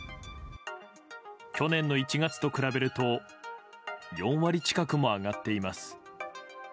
去年の１月と比べると４割近くも上がっています。